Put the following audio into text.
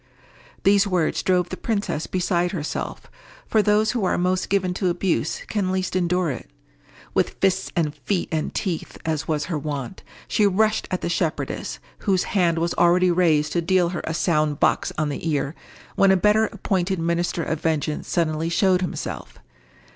These words drove the princess beside herself; for those who are most given to abuse can least endure it. With fists and feet and teeth, as was her wont, she rushed at the shepherdess, whose hand was already raised to deal her a sound box on the ear, when a better appointed minister of vengeance suddenly showed himself.